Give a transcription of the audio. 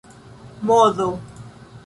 modo